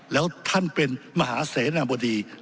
แล้วท่านเป็นมหาเสนาบดี